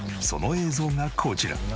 その映像がこちら。